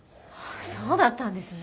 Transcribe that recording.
そうだったんですね。